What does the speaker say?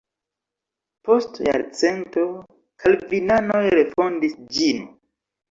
Post jarcento kalvinanoj refondis ĝin.